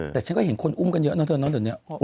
แต่ฉันก็เห็นคนอุ้มกันเยอะนะเธอน้องเดี๋ยวนี้